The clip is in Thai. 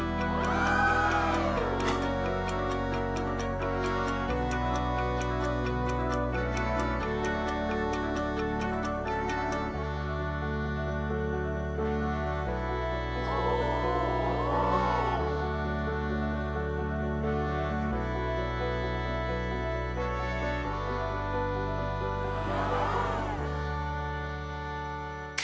อธิบาย